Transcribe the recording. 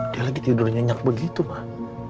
dia lagi tidurnya nyak begitu mbak